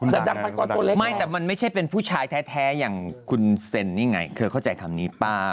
แต่ดังพันกรตัวเล็กไม่แต่มันไม่ใช่เป็นผู้ชายแท้อย่างคุณเซ็นนี่ไงเธอเข้าใจคำนี้เปล่า